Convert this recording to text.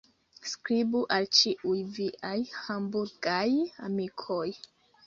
Skribu al ĉiuj viaj Hamburgaj amikoj.